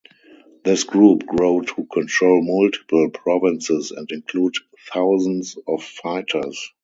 This group grew to control multiple provinces and include thousands of fighters.